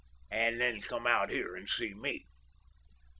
And then come out here and see me.